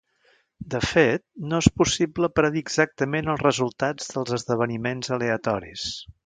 De fet, no és possible predir exactament els resultats dels esdeveniments aleatoris.